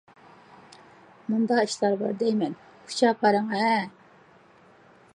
ماندا ئىشلار بار دەيمەن، كۇچا پارىڭى ھە.